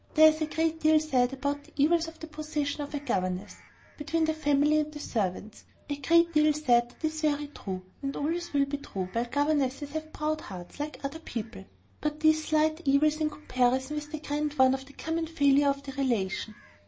There is a great deal said about the evils of the position of a governess between the family and the servants a great deal said that is very true, and always will be true, while governesses have proud hearts, like other people: but these are slight evils in comparison with the grand one of the common failure of the relation.